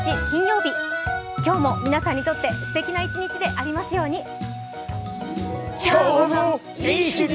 金曜日、今日も皆さんにとってすてきな一日でありますように。